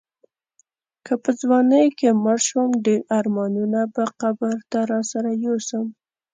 که په ځوانۍ کې مړ شوم ډېر ارمانونه به قبر ته راسره یوسم.